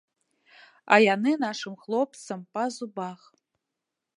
А яны нашым хлопцам па зубах.